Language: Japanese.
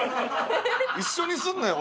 一緒にすんなよ